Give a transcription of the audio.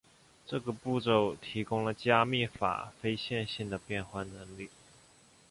这个步骤提供了加密法非线性的变换能力。